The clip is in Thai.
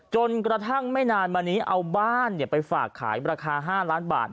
จนกระทั่งไม่นานมานี้เอาบ้านไปฝากขายราคา๕ล้านบาท